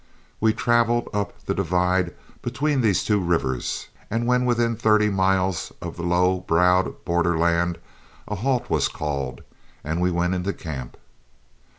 We traveled up the divide between these two rivers, and when within thirty miles of the low browed borderland a halt was called and we went into camp.